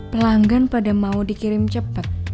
pelanggan pada mau dikirim cepat